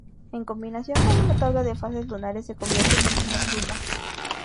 En combinación con una tabla de fases lunares se convierte en un reloj lunar.